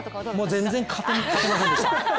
全然勝てませんでした。